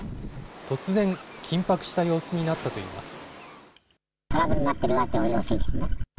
突然、緊迫した様子になったといいます。